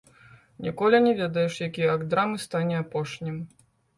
Ніколі не ведаеш, які акт драмы стане апошнім.